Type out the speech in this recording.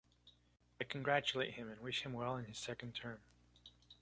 I congratulate him and wish him well in his second term.